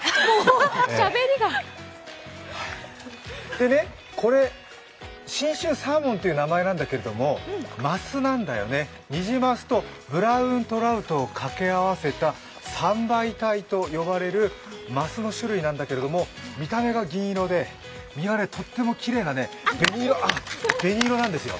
でね、これ信州サーモンという名前なんだけれどもマスなんだよね、ニジマスとブラウントラウトをかけ合わせた三倍体とよばれるマスの種類なんだけど見た目が銀色で、身はとってもきれいな紅色なんですよ。